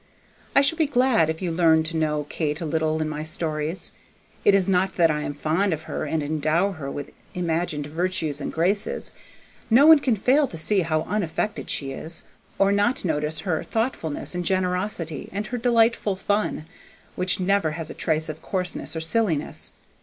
I shall be glad if you learn to know Kate a little in my stories. It is not that I am fond of her and endow her with imagined virtues and graces; no one can fail to see how unaffected she is, or not notice her thoughtfulness and generosity and her delightful fun, which never has a trace of coarseness or silliness.